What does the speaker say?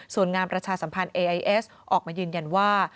ส่วนงานประชาสัมพันธ์เอไอเอสออกมายืนยันว่า